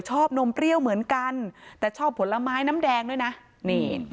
นมเปรี้ยวเหมือนกันแต่ชอบผลไม้น้ำแดงด้วยนะนี่